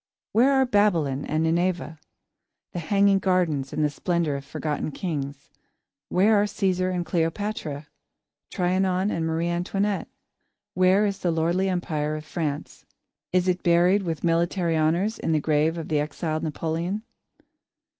Where are Babylon and Nineveh; the hanging gardens and the splendour of forgotten kings? Where are Cæsar and Cleopatra; Trianon and Marie Antoinette? Where is the lordly Empire of France? Is it buried with military honours, in the grave of the exiled Napoleon?